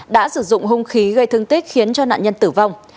đã sử dụng hung khí gây thương tích khiến cho nạn nhân tử vong